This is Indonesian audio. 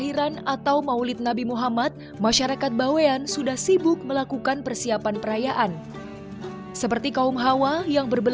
ini takut jatuh ini kalau sambil pawai seperti ini